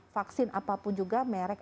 vaksin apapun juga merek